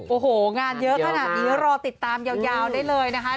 โอ้โหงานเยอะขนาดนี้รอติดตามยาวได้เลยนะคะ